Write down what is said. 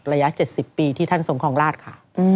ระยะ๗๐ปีที่ท่านทรงคล้องราชค่ะ